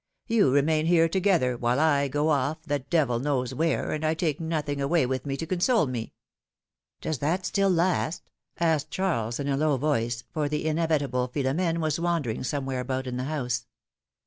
^'You remain here together; while I go off, the devil knows where, and I take nothing away with me to console me." ^^Does that still last?" asked Charles in a low voice, for the inevitable Philom^ne was wandering somewhere about in the house.